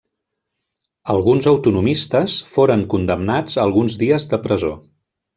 Alguns autonomistes foren condemnats a alguns dies de presó.